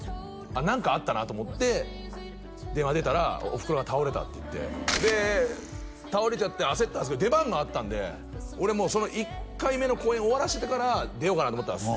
あっ何かあったなと思って電話出たら「おふくろが倒れた」って言ってで倒れちゃって焦ったんすけど出番があったんで俺もうその１回目の公演終わらせてから出ようかなと思ったんです